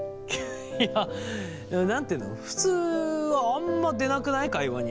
いや何て言うの普通はあんまりでなくない？会話に。